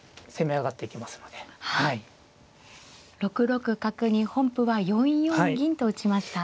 ６六角に本譜は４四銀と打ちました。